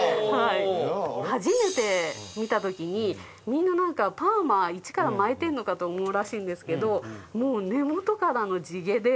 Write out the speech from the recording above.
初めて見た時にみんななんかパーマをいちから巻いてるのかと思うらしいんですけどもう根元からの地毛で。